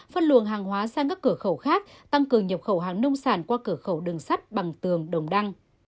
phân luồng hàng hóa sang các cửa khẩu khác tăng cường nhập khẩu hàng nông sản qua cửa khẩu đường sắt bằng tường đồng đăng